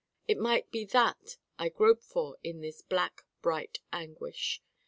It might be that I grope for in this black bright anguish.